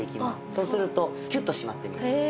そうするとキュッと締まって見えます。